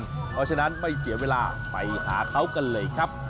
เพราะฉะนั้นไม่เสียเวลาไปหาเขากันเลยครับ